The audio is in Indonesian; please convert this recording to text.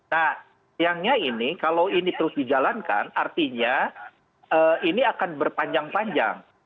nah sayangnya ini kalau ini terus dijalankan artinya ini akan berpanjang panjang